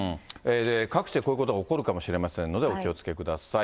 各地でこういうことが起こるかもしれませんので、お気をつけください。